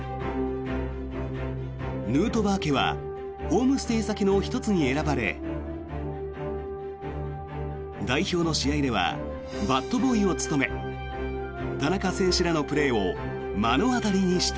ヌートバー家はホームステイ先の１つに選ばれ代表の試合ではバットボーイを務め田中選手らのプレーを目の当たりにした。